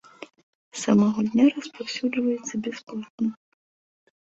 Сама гульня распаўсюджваецца бясплатна.